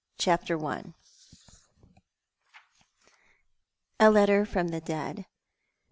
CHAPTEE I. A LETTER FROM THE DEAD.